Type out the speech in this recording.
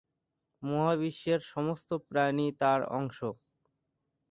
মহাবিশ্বের সমস্ত প্রাণী তাঁর অংশ।